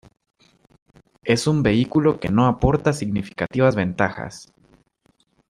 Es un vehículo que no aporta significativas ventajas.